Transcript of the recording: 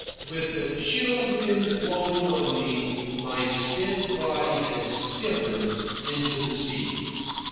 With the chill wind blowing on me, my spent body had stiffened into the seat.